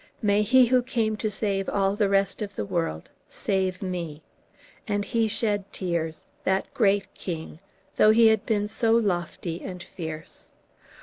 May He who came to save all the rest of the world save me!" And he shed tears, that great king, though he had been so lofty and fierce.